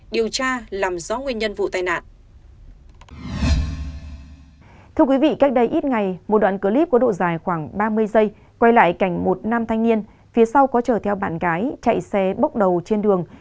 điều tra làm rõ nguyên nhân vụ tai nạn